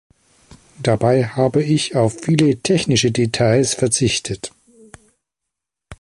Dabei habe ich auf viele technische Details verzichtet.